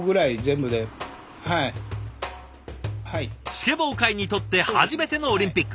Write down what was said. スケボー界にとって初めてのオリンピック。